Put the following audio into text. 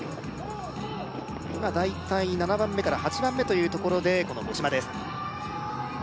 今大体７番目から８番目というところでこの五島です